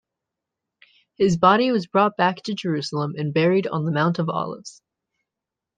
His body was brought back to Jerusalem and buried on the Mount of Olives.